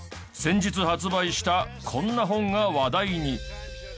先日発売したこんな本が話題に。